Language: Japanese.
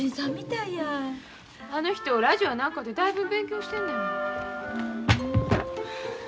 あの人ラジオや何かでだいぶ勉強してんのやもん。